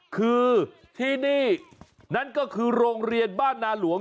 คือที่นี่นั่นก็คือโรงเรียนบ้านนาหลวง